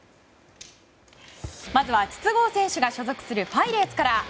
まずは筒香選手が所属するパイレーツから。